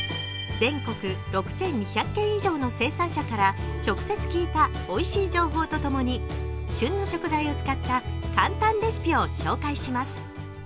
全国６２００軒以上の生産者から直接聞いたおいしい情報とともに旬の食材を使った簡単レシピを紹介します。